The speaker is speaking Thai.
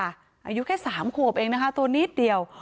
อายุแค่๓ขวบเองนะคะตัวนิดเดียว